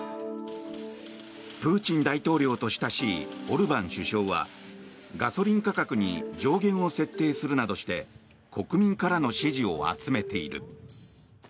プーチン大統領と親しいオルバン首相はガソリン価格に上限を設定するなどして国民からの支持を集めている。